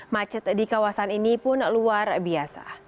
macet di kawasan ini pun luar biasa